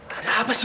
ada apa sih lu